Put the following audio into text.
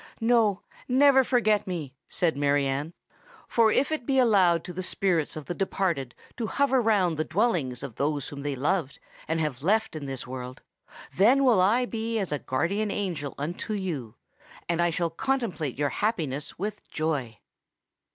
"No—never forget me," said Mary Anne; "for if it be allowed to the spirits of the departed to hover round the dwellings of those whom they loved and have left in this world, then will I be as a guardian angel unto you—and I shall contemplate your happiness with joy!"